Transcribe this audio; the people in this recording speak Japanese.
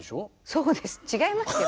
そうです違いますよ。